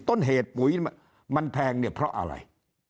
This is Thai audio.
ต้นเหตุปุ๋ยมันแพงเนี่ยเพราะอะไร